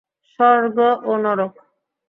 স্বর্গ ও নরক।